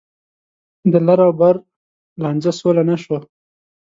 د لر او بر لانجه سوله نه شوه.